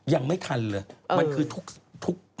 ยังไม่ทันเลยมันคือทุก